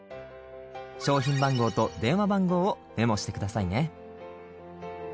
商品番号と電話番号をメモしてくださいね。